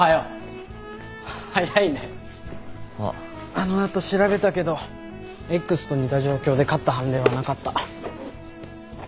あの後調べたけどＸと似た状況で勝った判例はなかった。